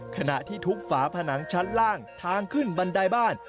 ขณะที่ทุกฝาผนังชั้นล่างทางขึ้นบันไดบ้าน